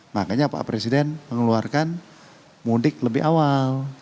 makanya pak presiden mengeluarkan mudik lebih awal